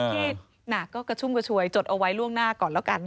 ที่หนักก็กระชุ่มกระชวยจดเอาไว้ล่วงหน้าก่อนแล้วกัน